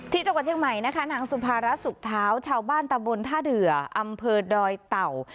ที่จังหวัดเชียงใหม่นะคะนางสุภาระสุขเท้าชาวบ้านตะบนท่าเดืออำเภอดอยเต่า